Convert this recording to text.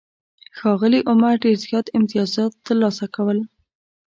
ښاغلي عمر ډېر زیات امتیازات ترلاسه کول.